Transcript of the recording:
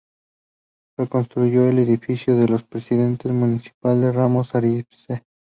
Reconstruyó el edificio de la Presidencia Municipal de Ramos Arizpe.